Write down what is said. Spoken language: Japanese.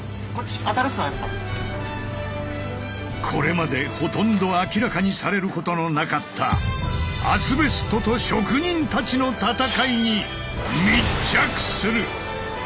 これまでほとんど明らかにされることのなかった「アスベストと職人たちの戦い」に密着する！